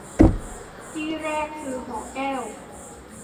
ที่แรกคือหอแก้ว